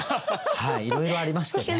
はいいろいろありましたね。